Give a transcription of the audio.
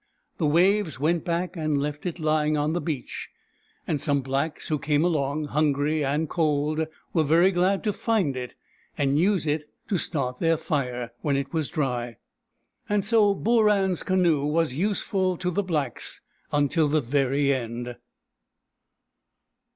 The waves went back and left it lying on the beach ; and some blacks who came along, hungry and cold, were very glad to find it and use it to start their fire, when it was dry. So Booran's canoe was useful to the blacks until the very end.